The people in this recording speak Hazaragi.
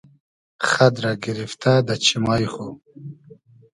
خئد رۂ گیریفتۂ دۂ چیمای خو